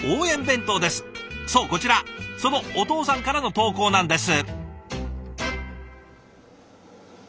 そうこちらそのお父さんからの投稿なんです。